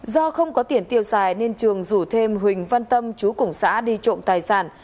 do không có tiền tiêu xài nên trường rủ thêm huỳnh văn tâm chú củng xã đi trộm tài sản